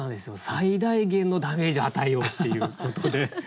最大限のダメージを与えようっていうことで。